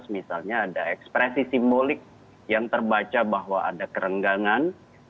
misalnya ada ekspresi simbolik yang terbaca bahwa ada kerenggangan